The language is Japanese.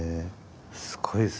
すごいですね。